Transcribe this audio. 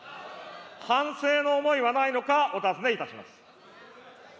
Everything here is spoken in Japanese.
反省の思いはないのか、お尋ねいたします。